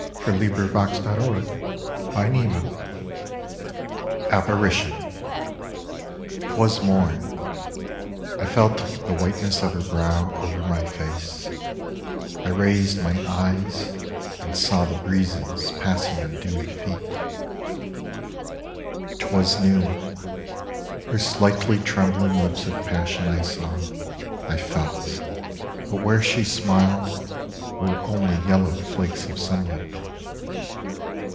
FROM "FROM THE EASTERN SEA" (1903) 29 APPARITION Twas mom ; I felt the whiteness of her brow Over my face ; I raised my eyes and saw The breezes passing on dewy feet. Twas noon ; Her slightly trembling lips of passion I saw% I felt, but where she smiled Were only yellow flakes of sunlight.